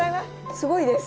すごいです。